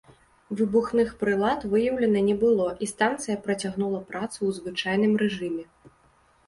Выбухных прылад выяўлена не было, і станцыя працягнула працу ў звычайным рэжыме.